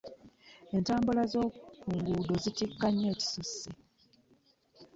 Entambula zokunguudo zittika nnyo ekisusse.